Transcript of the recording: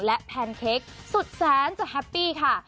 และแพนเค้กสุดแสนจะแฮปปี้ค่ะ